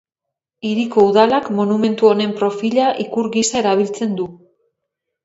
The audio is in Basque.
Hiriko Udalak monumentu honen profila ikur gisa erabiltzen du.